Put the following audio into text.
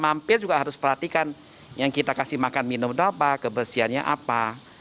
mampir juga harus perhatikan yang kita kasih makan minum itu apa kebersihannya apa